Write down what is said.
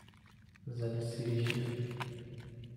زنه سیریشه